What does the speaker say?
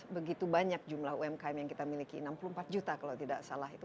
begitu banyak jumlah umkm yang kita miliki enam puluh empat juta kalau tidak salah itu